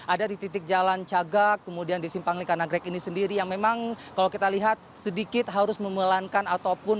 ada di titik jalan cagak kemudian di simpang lika nagrek ini sendiri yang memang kalau kita lihat sedikit harus memelankan ataupun